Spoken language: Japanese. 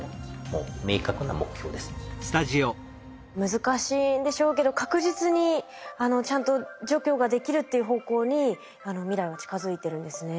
難しいんでしょうけど確実にちゃんと除去ができるっていう方向に未来は近づいてるんですね。